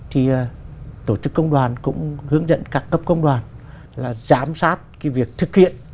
thì tổ chức công đoàn cũng hướng dẫn các cấp công đoàn là giám sát cái việc thực hiện